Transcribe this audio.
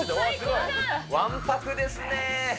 わんぱくですね。